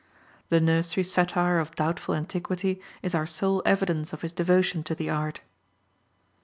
The nursery satire of doubtful antiquity is our sole evidence of his devotion to the art.